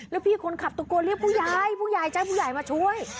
แล้วพี่คนขับตะโกนเรียกผู้ยายผู้ยายจัดผู้ยายมาช่วย